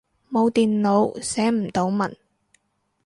冇電腦，寫唔到文